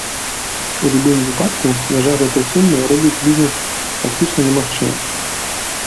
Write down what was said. У любым выпадку, мяжа гэтай сумы робіць бізнэс фактычна немагчымым.